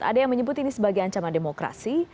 ada yang menyebut ini sebagai ancaman demokrasi